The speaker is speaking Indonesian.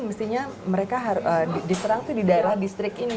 karena mereka diserang itu di daerah distrik ini